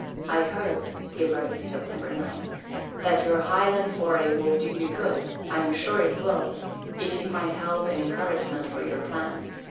"I hope," he wrote (Sept. 9), "that your Highland foray will do you good. I am sure it will, if you find help and encouragement for your plans.